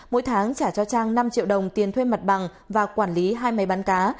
mỗi tháng trả cho trang năm triệu đồng tiền thuê mặt bằng và quản lý hai máy bán cá